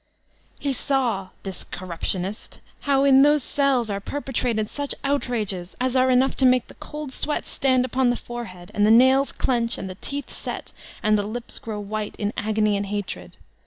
He saw, this corruptionist, how m those ceDs are perpe trated such outrages as are enough to make the cold sweat stand opon the forehead, and the nails dendi, and Sbx Slavery 345 tOt teeth set, and the lips grow white in agony and hatred.